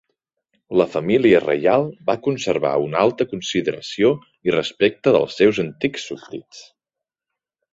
La família reial va conservar una alta consideració i respecte dels seus antics súbdits.